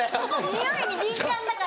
においに敏感だから。